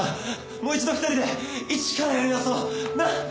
もう一度２人で一からやり直そう！なあ？